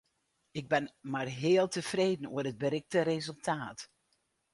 Ik bin mar heal tefreden oer it berikte resultaat.